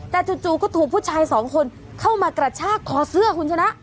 แต่จู่ก็ถูกผู้ชายสองคนเข้ามากระชากคอเสื้อคุณชนะ